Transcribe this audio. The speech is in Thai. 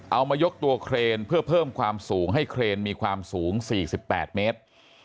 เอามายกตัวเครนเพื่อเพิ่มความสูงให้เครนมีความสูง๔๘เมตร